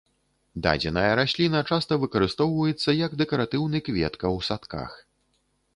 Дадзеная расліна часта выкарыстоўваецца як дэкаратыўны кветка ў садках.